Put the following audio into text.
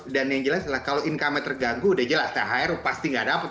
dan yang jelas adalah kalau income nya terganggu udah jelas thr pasti nggak dapet